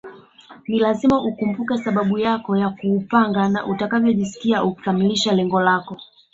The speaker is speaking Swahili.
Ni lazima ukumbuke sababu yako ya kuupanda na utakavyojisikia ukikamilisha lengo lako